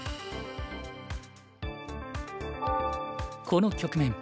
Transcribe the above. この局面